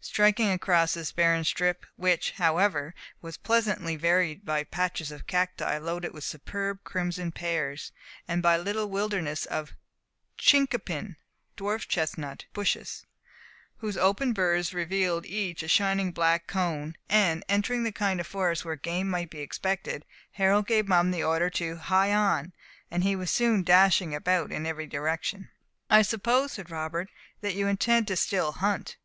Striking across this barren strip which, however, was pleasantly varied by patches of cacti loaded with superb crimson pears, and by little wildernesses of chincopin (dwarf chestnut) bushes, whose open burrs revealed each a shining jet black cone and entering the kind of forest where game might be expected, Harold gave Mum the order to "Hie on"; and he was soon dashing about in every direction. "I suppose," said Robert, "that you intend to still hunt.